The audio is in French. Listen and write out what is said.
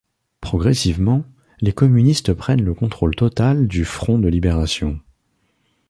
Progressivement, les communistes prennent le contrôle total du Front de libération.